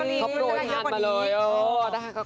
พี่เจ๊ปรีมันจะได้เยอะกว่านี้